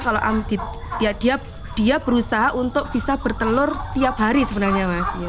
kalau dia berusaha untuk bisa bertelur tiap hari sebenarnya mas